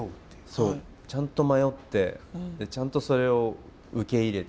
そうちゃんと迷ってちゃんとそれを受け入れて。